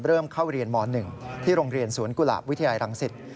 เริ่มเข้าเรียนม๑ที่โรงเรียนสวนกุหลาบวิทยารังสิต